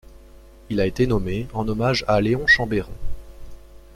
Il a été nommé en hommage à Léon Chambeyron.